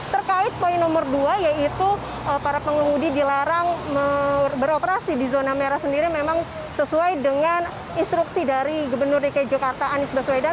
terkait poin nomor dua yaitu para pengemudi dilarang beroperasi di zona merah sendiri memang sesuai dengan instruksi dari gubernur dki jakarta anies baswedan